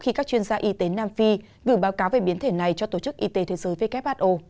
khi các chuyên gia y tế nam phi gửi báo cáo về biến thể này cho tổ chức y tế thế giới who